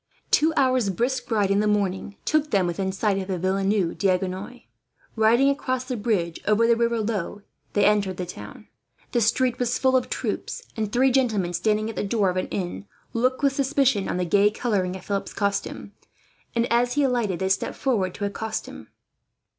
Two hours' brisk ride, in the morning, took them within sight of Villeneuve D'Agenois. Riding across the bridge over the river Lot, he entered the town. The street was full of troops; and three gentlemen, standing at the door of an inn, looked with suspicion on the gay colouring of Philip's costume and, as he alighted, they stepped forward to accost him.